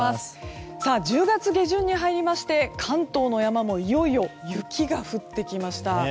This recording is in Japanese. １０月下旬に入りまして関東の山も雪が降ってきました。